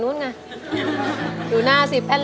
ร้องได้ให้ร้อง